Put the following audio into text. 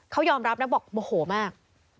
เขายอมรับนะบอกโมโหมาก